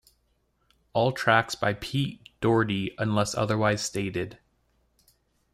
All tracks by Pete Doherty unless otherwise stated.